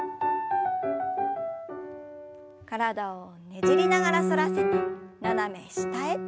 体をねじりながら反らせて斜め下へ。